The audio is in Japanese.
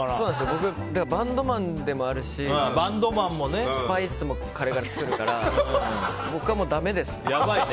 僕、バンドマンでもあるしスパイスもカレーから作るから僕はもうだめですね。